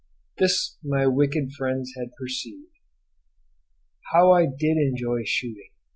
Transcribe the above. This my wicked friends had perceived. How I did enjoy shooting!